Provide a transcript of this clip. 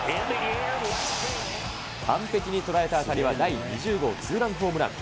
完璧に捉えた当たりは、第２０号ツーランホームラン。